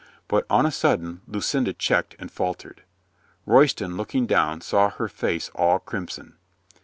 But, on a sudden, Lucinda checked and faltered. Royston, looking down, saw her face all crimson.